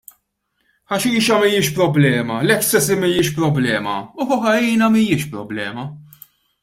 Ħaxixa mhijiex problema, l-ecstasy mhijiex problema u kokaina mhijiex problema.